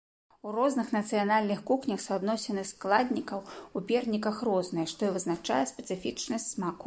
У розных нацыянальных кухнях суадносіны складнікаў у перніках розныя, што і вызначае спецыфічнасць смаку.